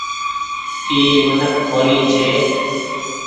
اي منک ڪونيٚ ڇي۔